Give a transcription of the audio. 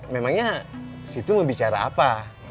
memangnya situ mau bicara apa